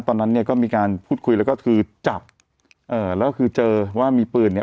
ตอนนั้นเนี่ยก็มีการพูดคุยแล้วก็คือจับเอ่อแล้วก็คือเจอว่ามีปืนเนี่ย